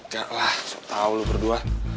gak lah sok tau lo berdua